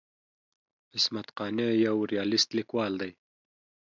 عصمت قانع یو ریالیست لیکوال دی.